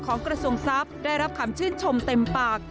กระทรวงทรัพย์ได้รับคำชื่นชมเต็มปาก